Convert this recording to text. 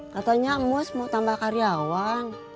katanya emus mau tambah karyawan